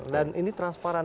dan ini transparan